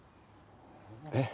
えっ。